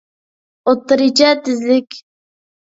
ئوتتۇرىچە تېزلىك